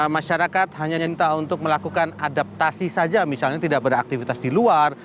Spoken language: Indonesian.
masyarakat hanya minta untuk melakukan adaptasi saja misalnya tidak beraktivitas di luar